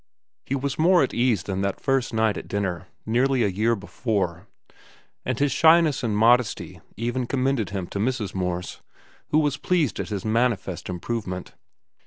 He was more at ease than that first night at dinner, nearly a year before, and his shyness and modesty even commended him to Mrs. Morse, who was pleased at his manifest improvement.